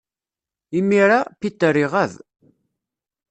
Imir-a, Peter iɣab.